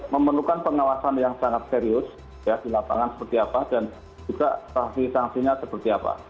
memerlukan pengawasan yang sangat serius ya di lapangan seperti apa dan juga sanksi sanksinya seperti apa